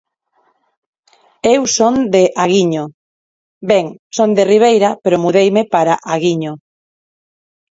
Eu son de Aguiño, ben, son de Ribeira pero mudeime para Aguiño.